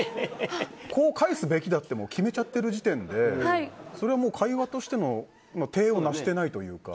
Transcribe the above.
こう返すべきだって決めちゃってる時点でそれは会話としての体をなしていないというか。